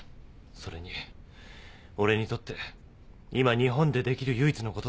それに俺にとって今日本でできる唯一のことだし。